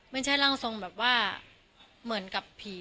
ไม่ใช่ร่างทรงแบบว่าเหมือนกับผี